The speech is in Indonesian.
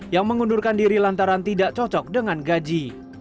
yang mengundurkan diri lantaran tidak cocok dengan gaji